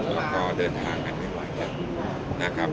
แล้วก็เดินทางกันหลายนะครับ